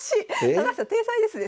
高橋さん天才ですね。